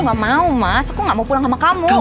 gak mau mas aku gak mau pulang sama kamu